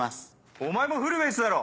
お前もフルフェースだろ！